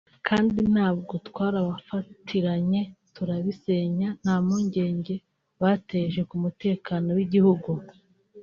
kandi nabwo twarabafatiranye turabisenya nta mpungenge bateje ku mutekano w’igihugu